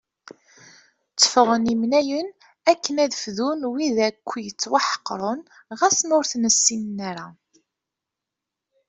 Tteffɣen imnayen akken ad d-fdun wid akk yettwaḥeqren ɣas ma ur ten-ssinen.